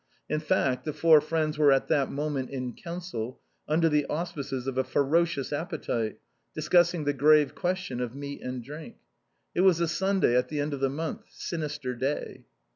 In fact, the four friends were at that moment in council, under the auspices of a ferocious appetite, discussing the grave question of meat and drink. It was a Sunday at the end of the month — sinister day.